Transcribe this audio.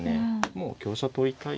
もう香車取りたい。